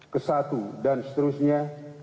kesatu dan seterusnya